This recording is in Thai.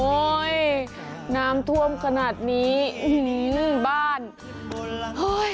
โอ้ยน้ำท่วมขนาดนี้อืมบ้านเฮ้ย